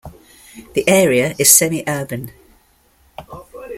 The area is semi-urban.